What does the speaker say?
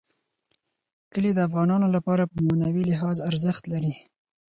کلي د افغانانو لپاره په معنوي لحاظ ارزښت لري.